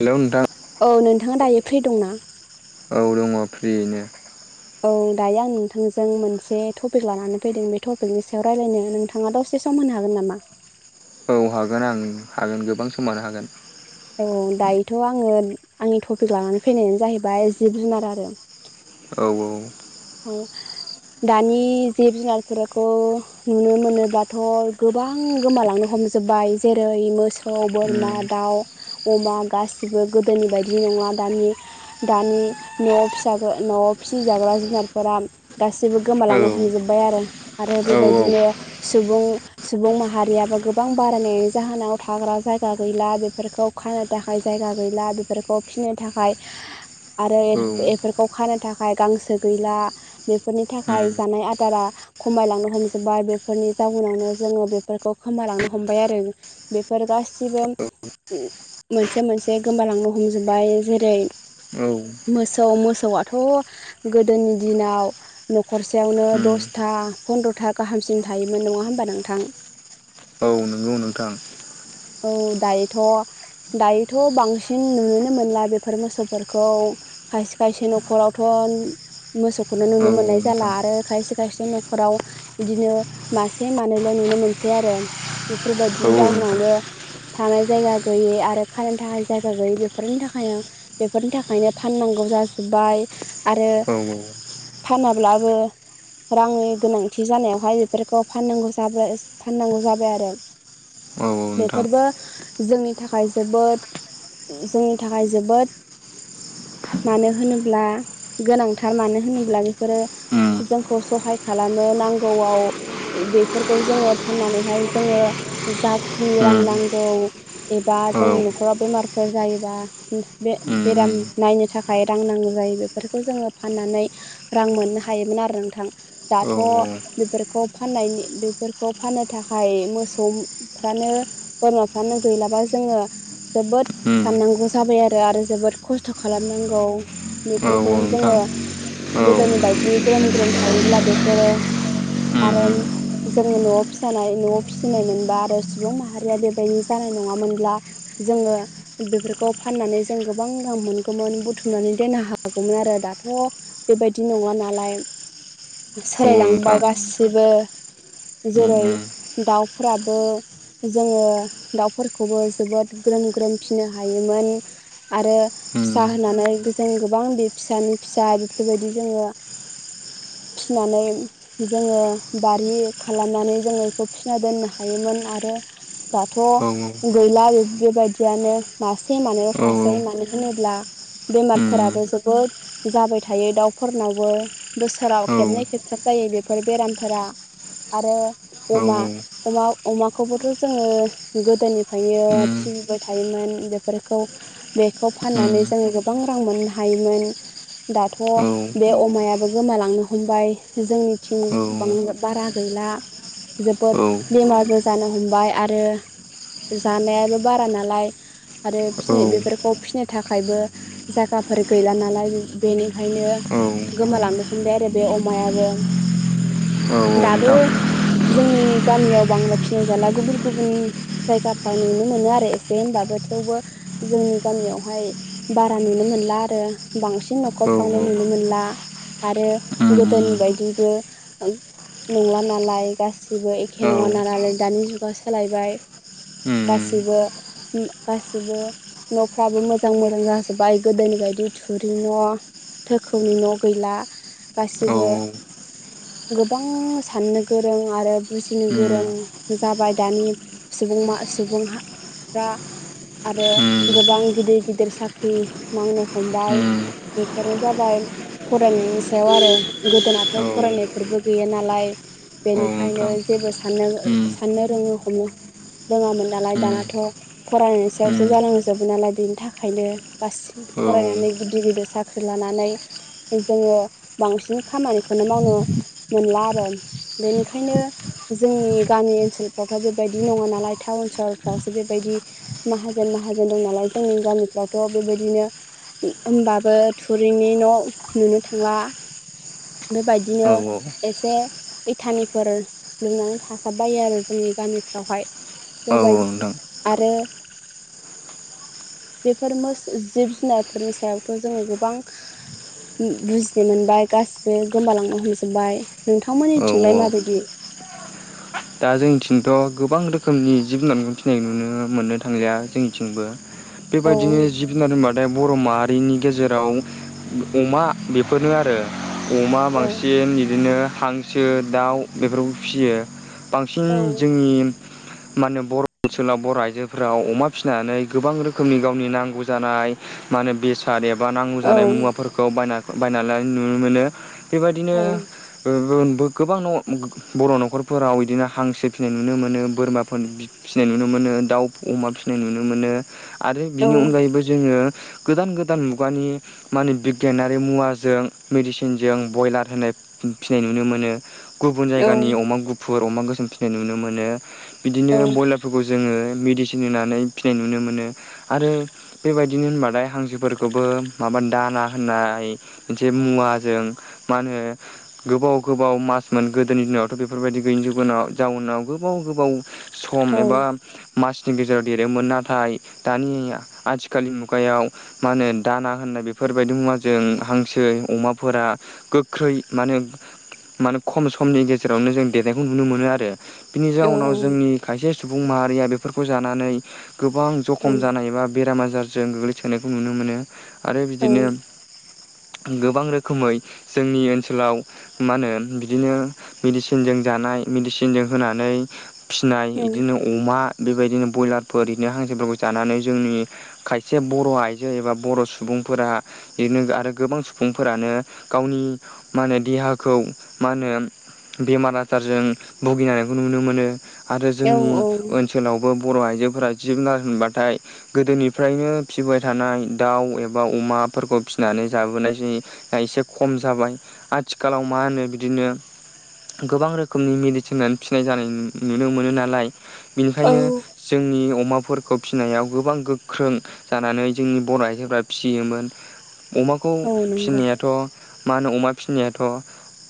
Hello नोंथां औ नोंथाङा दायो फ्रि दंना औ दङ फ्रियैनो औ दायो आं नोंथांजों मोनसे टपिक लानानै फैदों बे टपिकनि सायाव रायलायनो नोंथाङा दस से सम होनो हागोन नामा औ हागोन आं हागोन गोबां समानो हागोन औ दायोथ' आङो आंनि टपिक लानानै फैनायानो जाहैबाय जिब जुनार आरो औ औ औ दानि जिब जुनारफोरखौ नुनो मोनोब्लाथ गोबां गोमालांनो हमजोबबाय जेरै मोस सौ, बोरमा, उम दाउ, अमा गासिबो गोदोनि बायदि नङा दानि दानि न'आव फिसाबो न'आव फिसिजाग्रा जुनार फोरा गासैबो औ गोमालांनो हमजोबबायआरो आरो औ बेबायदिनो सुबुं सुबुं माहारियाबो गोबां बारायनायनि जाहोनाव थाग्रा जायगा गैला बेफोरखौ खानो थाखाय जायगा गैला बेफोरखौ फिनो थाखाय आरो एर एफोरखौ खानो थाखाय गांसो गैला बेफोरनि थाखाय उम जानाय आदारा खमायलांनो हमजोबबाय बेफोरनि जाउनावनो जोङो बेफोरखौ खमायलांनो हमबाय आरो बेफोर गासिबो मोनसे मोनसे गोमालांनो हमजोब्बाय जेरै औ मोसौ मोसौआथ' गोदोनि दिनाव न'खरसेयावनो उम दसथा फन्द्रथा गाहामसिम थायोमोन नङा होमबा नोंथां। औ नंगौ नोंथां। औ दायोथ' दायोथ' बांसिन नुनोनो मोनला बेफोर मोसौफोरखौ खायसे खायसे न'खरावथन मोसौखौनो औ नुनो मोननाय जाला नोंथां आरो खायसे खायसे न'खराव बिदिनो मासे मानैल' नुनो मोनसै आरो औ बेफोरबायदिनि औ नोंथां जाहोनावनो थानाय जायगा गैयि आरो खानो थाखाय जायगा गैयि बेफोरनि थाखायनो बेफोरनि थाखायनो फाननांगौ जाजोब्बाय आरो औ औ फानाब्लाबो रांनि गोनांथि जानायावहाय बेफोरखौ फाननांगौ जाबाय फाननांगौ जाबाय आरो औ नोंथां बेफोरबो जोंनि थाखाय जोबोद जोंनि थाखाय जोबोद मानो होनोब्ला गोनांथार मानो होनोब्ला बेफोरो उम जोंखौ सहाय खालामो नांगौआव बेफोरखौ जोङो फाननानैहाय जोङो जाखिनि रां उम नांगौ एबा औ जोंनि उम न'खराव बेमारफोर जायोबा बे उम बेराम नायनो थाखाय रां नांगौ जायो बे बेफोरखौ जोङो फाननानै रां मोननो हायोमोन आरो नोंथां। औ दाथ' बेफोरखौ फाननायनि बेफोरखौ फाननो थाखाय मोसौ फानो बोरमाफ्रानो गैलाबा जोङो जोबोद साननांगौ जाबाय आरो आरो जोबोद खस्थ' खालामनांगौ। औ उम औ बेफोरखौ नोंथां जोङो औ उम गोदोनि बायदि ग्रोम ग्रोम थायोब्ला बेफोरो उम आरो जोङो न'आव फिसानाय न'आव फिसिनाय मोनबा आरो सुबुं माहारिया बेबायदि जानाय नङामोनब्ला जोङो बेफोरखौ फाननानै जों गोबां रां मोनगौमोन बुथुमनानै दोननो हागौमोन आरो दाथ' बेबायदि नङा नालाय। औ सोलायलांबाय नोंथां गासिबो उम जेरै उम दाउफोराबो जोङो दाउफोरखौबो जोबोद ग्रोम ग्रोम फिसिनो हायोमोन। आरो उम फिसा होनानै जों गोबां बे फिसानि फिसा बेफोरबायदि जोङो फिनानै जोङो बारि खालामनानै जोङो बेखौ फिना दोननो हायोमोन आरो दाथ' औ उम गैला बेबायदियानो मासे मानैल' औ थासै मानो होनोब्ला बेमारफोराबो जोबोद जाबाय थायो दाउफोरनावबो बोसोराव खेबनै खेबथाब जायो बेफोर बेरामफोरा। आरो अमा औ अमा अमाखौबोथ' जोङो गोदोनिफ्रायनो उम फिबोबाय थायोमोन बेफोरखौ बेखौ उम फाननानै जोङो गोबां रां मोननो हायोमोन दाथ' औ बे अमायाबो गोमालांनो हमबाय जोंनि औ थं बां बारा गैला। जोबोद बेमारबो जानो हमबाय आरो जानायाबो बारा नालाय आरो औ फि बेफोरखौ फिसिनो थाखायबो जायगाफोर गैला नालाय बेनिखायनो औ गोमालांनो हमबाय आरो बे अमायाबो। औ दाबो नोंथां जोंनि गामियाव बांला फिसिनाय जाला गुबुन गुबुन जायगाफ्राव नुनो मोनो आरो एसे होनबाबो थेवबो जोंनि गामियावहाय बारा नुनो मोनला आरो बांसिन औ औ न'खरफ्रावनो नुनो मोनला। आरो गोदोनि नोंथां बायदिबो नङा नालाय गासिबो औ एखे नङा नालालाय दानि जुगा सोलायबाय। खासिबो खासिबो न'फ्राबो मोजां मोजां जाजोब्बाय गोदोनि बायदि थुरि न' थोखौनि न' गैला औ गासिबो गोबां साननो गोरों आरो बुजिनो नोंथां गोरों जाबाय। दानि सुबुं मा सुबुंफ्रा आरो गोबां गिदिर गिदिर साख्रि मावनो हमबाय। बेफोरो जाबाय फरायनायनि सायाव आरो गोदोनाथ' फरायनायफोरबो गैया नालाय। बेनिखायनो जेबो साननो साननो रोङो हमनो रोङामोन नालाय। दानाथ' औ फरायनाय सायावसो जानांजोबो नालाय बेनि थाखायनो गासिबो औ फरायनानै गिदिर गिदिर साख्रि लानानै जोङो बांसिन खामानिखौनो मावनो मोनला आरो बेनिखायनो जोंनि गामि ओनसोल फावथ' बेबायदि नङा नालाय टाउन सहरफ्रावसो बेबायदि माहाजोन माहाजोन दं नालाय जोंनि गामिफ्रावथ' बेबायदिनो होनोमबाबो थुरिनि न' नुनो थांला। बेबायदिनो एसे इथानिफोर लुनानै थासाब बायो आरो जोंनि गामिफ्रावहाय बेबायदि आरो बेफोरो जिब जुनारफोरनि सायावथ' जोङो गोबां बुजिनो मोनबाय गासिबो गोमालांनो हमजोबबाय। नोंथांमोननिथिंलाय माबायदि दा जोंनिथिंथ' गोबां रोखोमनि जिब जुनारखौ फिसिनाय नुनो मोननो थांलिया जोंनिथिंबो। औ बेबायदिनो जिब जुनार मादथाय बर' माहारिनि गेजेराव अमा बेफोरनो आरो। अमा औ बांसिन बिदिनो हांसो दाउ बेफोरखौ फिसियो। औ बांसिन जोंनि [inaudible] मान होने बर' ओनसोलाव बर' आइजोफोराव अमा फिसिनानै गोबां रोखोमनि गावनि नांगौ जानाय मा होनो बेसाद एबा नांगौ औ जानाय मुवाफोरखौ बायना बायनानै नुनो मोनो। बेबायदिनो औ गोबां बर' न'खरफोराव बिदिनो हांसो फिसिनाय नुनो मोनो बोरमाफोर फिसिनाय नुनो मोनो दाउ अमा फिसिनाय नुनो मोनो। आरो औ बिनि अनगायैबो जोङो गोदान गोदान मुगानि माने बिगियानारि मुवाजों मेडिसिनजों बयलार होनाय फिनाय नुनो मोनो। गुबुन औ जायगानि अमा गुफुर अमा गोसोम फिसिनाय नुनो मोनो बिदिनो औ ब्रयलार फोरखौ जोङो मिदिसिन होननानै फिनाय नुनो मोन आरो बेबाय दिनो होनबाथाय हांसोफोरखौबो माबा दाना होननाय मोनसे मुवाजों मा होनो गोबाव गोबाव मासमोन गोदोनि दिनावथ' बेफोरबायदि गैयिनि जुगुनाव जाउनाव गोबाव गोबाव सम एबा मासनि गेजेराव देरोमोन। नाथाय दानि आथिखालनि मुगायाव मा होनो दाना होननाय बेफोरबायदि मुवा जों हांसो अमाफोरा गोख्रै माने माने खम समनि गेजेरावनो जों देनायखौ नुनो मोनो आरो बिनि जाउनाव जोंनि खायसे सुबुं माहारिया बेफोरखौ जानानै गोबां जखम औ जानाय एबा बेराम आजारजों गोग्लैसोनायखौ नुनो मोनो। आरो बिदिनो गोबां रोखोमै जोंनि ओनसोलाव मा होनो बिदिनो मेडिसिन मेसिनजों जानाय मेडिसिनजों होनानै फिनाय औ औ बिदिनो अमा बेबायदिनो बयलारफोर बिदिनो हांसोफोरखौ जानानै जोंनि खायसे बर' आइजो एबा बर' सुबुंफोरा बिदिनो आरो गोबां सुबुंफोरानो गावनि मा होनो देहाखौ मा होनो बेमार आजारजों भुगिनायखौ नुनो मोनो आरो औ जोंनि ओनसोल ओनसोलावबो बर' आइजोफोरा जि जुनार होनबाथाय गोदोनिफ्रायनो फिसिबाय थानाय दाउ एबा अमाफोरखौ फिसिनानै जाबोनायसै। दा एसे खम जाबाय। आथिखालाव मा होनो बिदिनो गोबां रोखोमनि मेडिसिन होननानै फिनाय जानाय नुनो मोनो नालाय। बिनिखायनो औ जोंनि अमाफोर खौ फिसिनायाव गोबां गोख्रों जानानै जोंनि बर' आइजोफोरा फिसियोमोन। अमाखौ नंगौ फिनायाथ' मा होनो अमा फिनायाथ'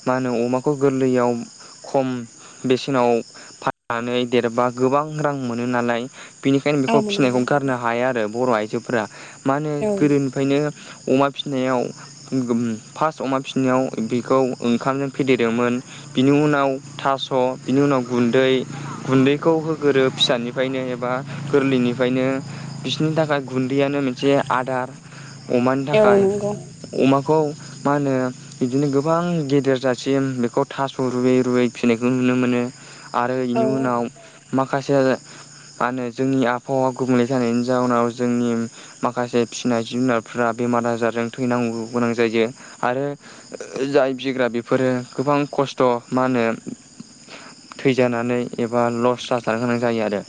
मा होनो अमाखौ गोरलैयाव खम बेसेनाव फाननानै देरबा गोबां रां मोनो नालाय। बेनिखायनो औ बेखौ नंगौ फिसिनायखौ नोंथां गारनो हाया आरो बर' आइजोफोरा। मा होनो औ गोदोनिफ्रायनो अमा फिसिनायाव फार्स्ट अमा फिनायाव बेखौ ओंखामजों फेदेरदोंमोन। बिनि उनाव थास' बिनि उनाव गुन्दै गुन्दैखौ होगोरो फिसानि निफ्रायनो एबा गोरलैनिफ्रायनो बिसनि थाखाय गुन्दैयानो मोनसे आदार अमानि औ थाखाय नंगौ अमाखौ मा होनो? बिदिनो गोबां गेदेर जासिम बेखौ थास' रुयै रुयै फिसिनायखौ नुनो मोनो, आरो औ बेनि उनाव माखासे मा होनो जोंनि आबहावा गुबुंले थानायनि जाउनाव जोंनि माखासे फिनाय जुनारफ बेमार आजारजों थैनांगौ गोनां जायो आरो। जाय बिग्रा बेफोरो गोबां खस्थ' मा होनो? थैजानानै एबा लस जाजानो गोनां जायो आरो।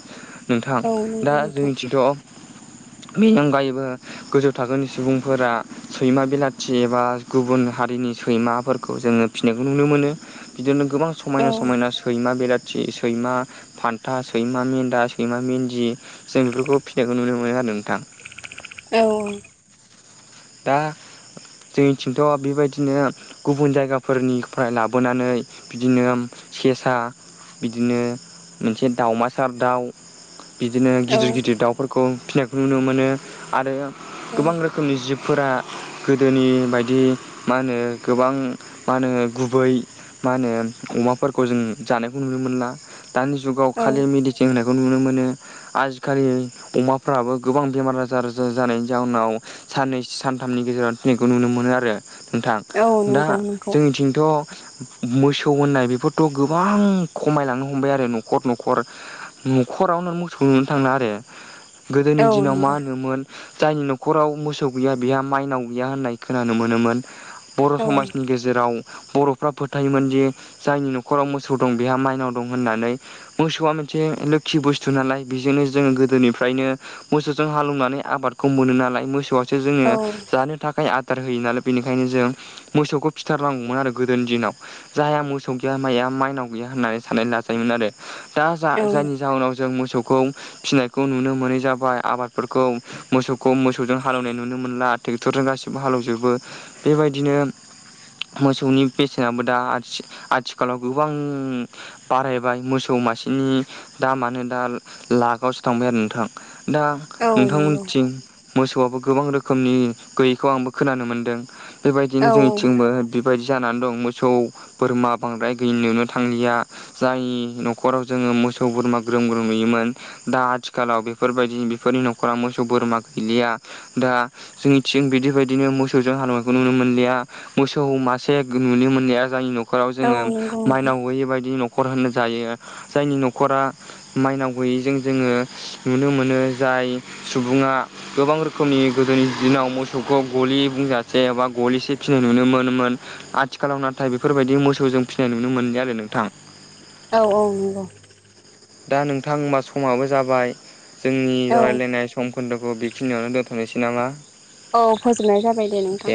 नोंथां औ दा नंगौ नोंथां जोंनिथिंथ' [inaudible] बेनि अगायैबो गोजौ थाखोनि सुबुंफोरा। सैमा बिलाथि एबा गुबुन हारिनि सैमाफोरखौ जोङो फिसिनायखौ नुनो मोनो। बिदिनो गोबां औ समायना समायना। सैमा बेलाथि सैमा फान्था सैमा मेन्दा सैमा मेन्दि जों बेफोरखौ फिनायखौ नुनो मोनो आरो नोंथां। औ। दा जोंनिथिंथ' बेबायदिनो। गुबुन जायगाफोरनिफ्राय लाबोनानै बिदिनो सेसा बिदिनो मोनसे दावमासार दाउ। बिदिनो औ गिदिर गिदिर दाउफोरखौ फिसिनायखौ नुनो मोनो आरो गोबां रोखोम। रोखोमनि जिब फोरा गोदोनि बायदि मा होनो गोबां मा होनो गुबै मा होनो अमाफोरखौ जों जानायखौ नुनो मोनला दानि जुगाव औ खालि मिडिसिन होनायखौ नुनो मोनो। आजि खालि अमाफ्राबो गोबां बेमार आजार आजार जानायनि जाहोनाव साननैसो सानथामनि गेजेराव थैनायखौ नुनो मोनो आरो नोंथां औ दा नंगौ नंगौ जोंनिथिंथ'। मोसौ होननाय बेफोरथ' गोबां खमायलांनो हमबाय आरो न'खर न'खर। न'खरावनो मोसौखौनो नुनो थांला आरो। गोदोनि औ दिनाव मा नंगौ होनोमोन जायनि न'राव मोसौ गैया माइनाव गैया होननाय खोनानो मोनोमोन बर' औ समनि गेजेराव जेराव बर'फ्रा फोथायोमोनदि जायनि न'खराव मोसौ दं बेहा माइनाव दं होननानै। मोसौआ मोनसे लोखि बुस्थु नालाय बेजोंनो जोंङो गोदोनिफ्रायनो मोसौजों हालौवनानै आबादखौ मोनो नालाय मोसौआसो जोङो औ जानो थाखाय। आदार होयो नालाय बेनिखायनो जों मोसौखौ फिथारनांगौमोन आरो गोदोनि दिनाव। जायहा मोसौ गैया माइया माइनाव गैया होननानै साननानै लाजायोमोन आरो। दा जा जायनि जाहोनाव जों मोसौखौ फिसिनाय खौ नुनो मोनै जाबाय आबादफोरखौ मोसौ मोसौ हालेवनाय नुनो मोनला ट्रेक्टरजों गासिबो हालेवजोबो बेबायदिनो। मोसौनि बेसेनाबो दा आथिखालाव गोबां। बारायबाय मोसौ मासेनि दा मानो दा लाखआवसो थांबाय आरो नोंथां दा। औ नंगौ नोंथांमोनथिं मोसौआबो गोबां रोखोमनि गैयैखौ आंबो खोनानो मोनदों। औ बेबायदिनो जोंनिथिंबो। बेबायदि जानानै दं मोसौ बोरमा बांद्राय गैयि नुनो थांलिया। जाय न'खराव जोङो मोसौ बोरमा ग्रोम ग्रोम नुयोमोन। दा आथिखालाव बेफोरबायदि बेफोरनि न'खरा मोसौ बोरमा गैलिया दा। जोंनिथिं बिदिबायदिनो मोसौजों हालेवनायखौ नुनो मोनलिया। मोसौ मासे नुनो मोननाया जोंनि न'खराव जोङो नंगौ नोंथां माइनाव गैयै बायदि नखर' न'खर होनजायो जायनि न'खरा। माइनाव गैयैजों जोङो नुनो मोनो जाय सुबुङा गोबां रोखोम समनि गोदोनि दिनाव मोसौखौ गलि बुंजासे एबा गलिसे फिनाय नुनो मोनोमोन। आथिखालाव नाथाय बेफोर बायदि मोसौ जों फिनाय नुनो मोनलिया आरो नोंथां। औ औ नंगौ। दा नोंथां समाबो जाबाय जोंनि औ राय्लायनाय सम सम खोन्दोखौ बेखिनियावनो दोन्थ'नोसै नामा। औ फोजोबनाय जाबाय दे नोंथां।